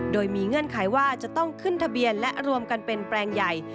โดยมีเงื่อนไขว่าจะต้องขึ้นทะเบียนและรวมกันเป็นแปลงใหญ่